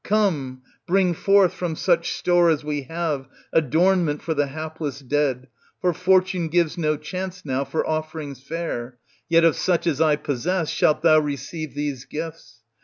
Come, bring forth, from such store as we have, adornment for the hapless dead, for fortune gives no chance now for offerings fair ; yet of such as I possess, shalt thou receive these gifts.